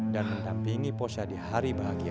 dan mendampingi posya di hari bahagia